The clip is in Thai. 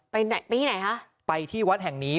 ไปที่ไหนคะไปที่วัดแห่งนี้